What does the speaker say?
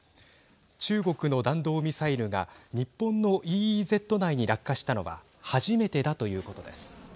中国の弾道ミサイルが日本のＥＥＺ内に落下したのは初めてだということです。